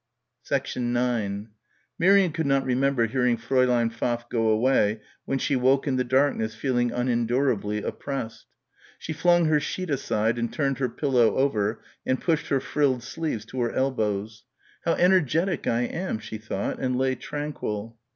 9 Miriam could not remember hearing Fräulein Pfaff go away when she woke in the darkness feeling unendurably oppressed. She flung her sheet aside and turned her pillow over and pushed her frilled sleeves to her elbows. How energetic I am, she thought and lay tranquil.